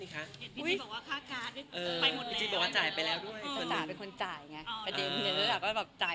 ค่ะเข้าใจ